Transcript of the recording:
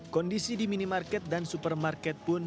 kondisi di minimarket dan supermarket pun